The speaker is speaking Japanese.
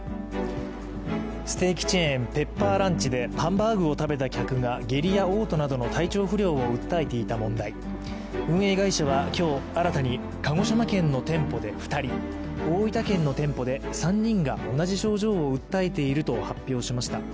ステーキチェーン・ペッパーランチでハンバーグを食べた客が下痢やおう吐などの体調不良を訴えていた問題運営会社は今日新たに鹿児島県の店舗で２人大分県の店舗で３人が同じ症状を訴えていると発表しました。